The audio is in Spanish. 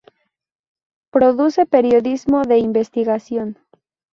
Produce periodismo de investigación.